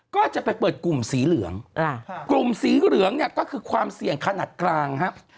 ก็จะไปเปิดกลุ่มสีเหลืองกลุ่มสีเหลืองเนี่ยก็คือความเสี่ยงขนาดกลางครับ